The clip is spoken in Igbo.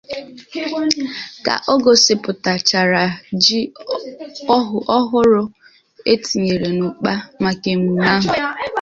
Ka o gosipụtachara ji ọhụrụ e tinyesiri n'ụkpa maka emume ahụ